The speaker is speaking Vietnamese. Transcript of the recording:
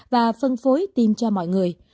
và phân phối tiêm cho mọi người